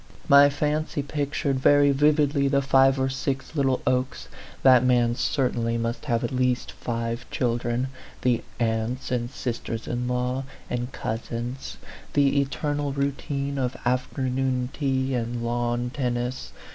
My fancy pictured very vividly the five or six little Okes that man certainly must have at least five children the aunts and sisters in law and cousins; the eternal routine of afternoon tea and lawn tennis ; 12 A PHANTOM LOVER.